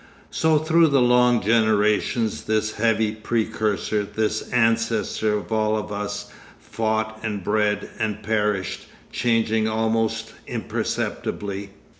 So through the long generations, this heavy precursor, this ancestor of all of us, fought and bred and perished, changing almost imperceptibly.